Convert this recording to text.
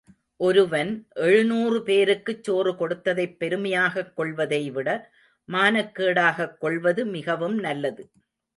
ஒருவன் எழுநூறு பேருக்குச் சோறு கொடுத்ததைப் பெருமையாகக் கொள்வதைவிட மானக்கேடாகக் கொள்வது மிகவும் நல்லது.